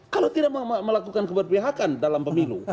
kalau tidak melakukan keberpihakan dalam pemilu